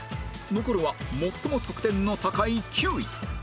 残るは最も得点の高い９位